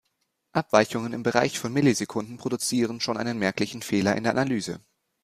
Abweichungen im Bereich von Millisekunden produzieren schon einen merklichen Fehler in der Analyse.